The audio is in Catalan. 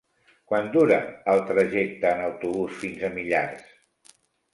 Quant dura el trajecte en autobús fins a Millars?